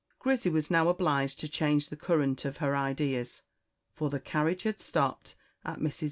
Grizzy was now obliged to change the current of her ideas, for the carriage had stopped at Mrs. Bluemits's.